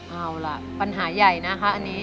เอาล่ะปัญหาใหญ่นะคะอันนี้